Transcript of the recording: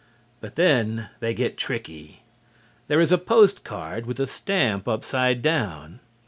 But then they get tricky. There is a post card with a stamp upside down.